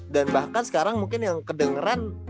dan bahkan sekarang mungkin yang kedengeran